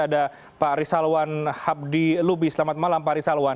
ada pak arisalwan habdi lubi selamat malam pak arisalwan